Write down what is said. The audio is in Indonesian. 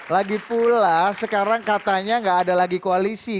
lagipula sekarang katanya gak ada lagi koalisi